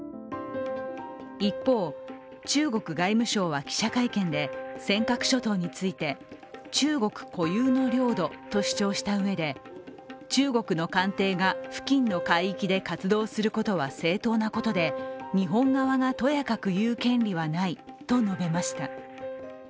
一方、中国外務省は記者会見で尖閣諸島について中国固有の領土と主張したうえで中国の艦艇が付近の海域で活動することは正当なことで、日本側がとやかく言う権利はないと述べました。